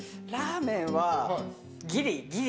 ラーメンはギリ。